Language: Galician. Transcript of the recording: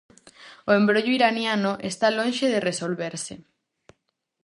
O embrollo iraniano está lonxe de resolverse.